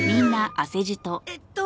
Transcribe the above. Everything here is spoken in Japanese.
えっと